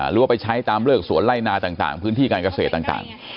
หรือว่าไปใช้ตามเลิกสวนไล่นาต่างพื้นที่การเกษตรต่าง